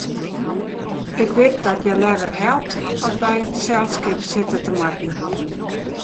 Ik wit dat hja leaver helpt as by it selskip sitte te moatten.